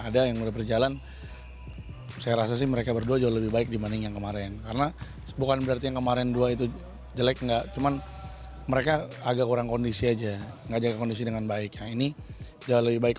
dua pemain asing baru emilio parks dan stephen mallory